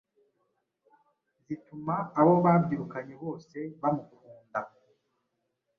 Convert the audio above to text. zituma abo babyirukanye bose bamukunda